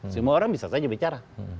semua orang bisa saja bicara